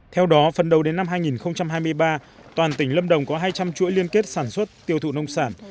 theo đó phần đầu đến năm hai nghìn hai mươi ba toàn tỉnh lâm đồng có hai trăm linh chuỗi liên kết sản xuất tiêu thụ nông sản